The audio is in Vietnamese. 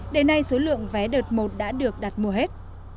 đến nay số lượng vé đợt một đã được đặt mua hết